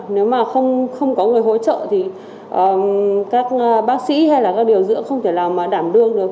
nếu mà không có người hỗ trợ thì các bác sĩ hay là các điều dưỡng không thể nào mà đảm đương được